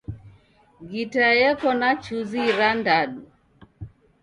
Gita yeko na chuzi irandadu.